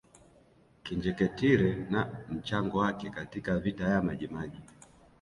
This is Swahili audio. Kinjeketile na mchango wake katika Vita ya Majimaji